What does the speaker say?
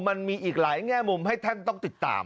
มันมีอีกหลายแง่มุมให้ท่านต้องติดตาม